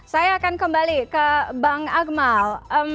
saya akan kembali ke bang akmal